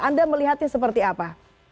anda melihatnya seperti apa